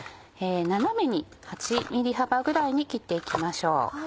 斜めに８ｍｍ幅ぐらいに切って行きましょう。